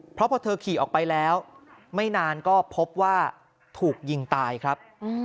เพราะพอเธอขี่ออกไปแล้วไม่นานก็พบว่าถูกยิงตายครับ